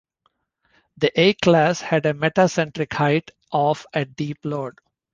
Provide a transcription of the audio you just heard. The A class had a metacentric height of at deep load.